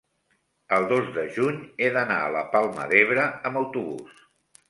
el dos de juny he d'anar a la Palma d'Ebre amb autobús.